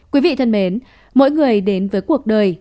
quý vị thân mến mỗi người đến với cuộc đời